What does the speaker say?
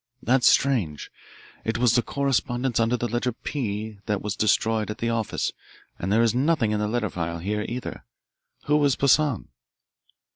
"That's strange. It was the correspondence under the letter 'P' that was destroyed at the office, and there is nothing in the letter file here, either. Who was Poissan?"